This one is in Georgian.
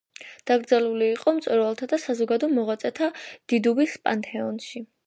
დაკრძალული იყო მწერალთა და საზოგადო მოღვაწეთა დიდუბის პანთეონში.